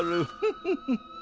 フフフ。